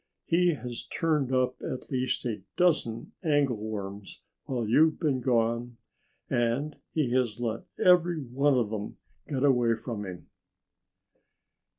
He has turned up at least a dozen angleworms while you've been gone. And he has let every one of them get away from him!"